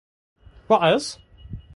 What else?